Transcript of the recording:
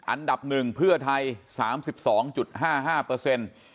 อันดับหนึ่งเพื่อไทย๓๒๕๕เปอร์เซ็นต์